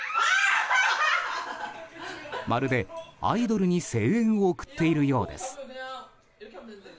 まるでアイドルに声援を送っているようです。